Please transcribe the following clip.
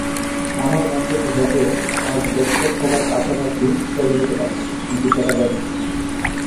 আমার বান্ধবী হ্যাজেল আজ দত্তক হবার কাছাকাছি চলে যেতে পারতো, কিন্তু সেটা ঘটেনি।